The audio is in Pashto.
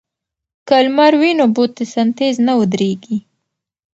که لمر وي نو فوتوسنتیز نه ودریږي.